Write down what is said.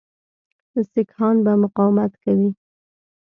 سیکهان به مقاومت کوي.